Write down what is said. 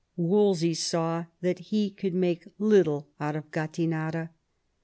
Wolsey saw that he could make little out of Gattinara.